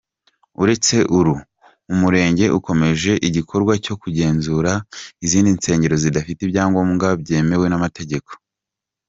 Uretse uru, umurenge ukomeje igikorwa cyo kugenzura izindi nsengero zidafite ibyangombwa byemewe n’amategeko.